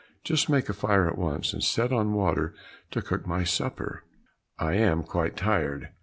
Just make a fire at once, and set on water to cook my supper, I am quite tired."